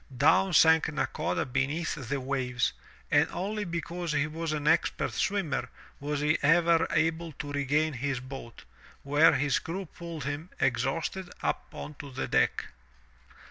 Down sank Nakoda beneath the 201 MY BOOK HOUSE waves, and only because he was an expert swimmer, was he ever able to regain his boat, where his crew pulled him, exhausted, up onto the deck.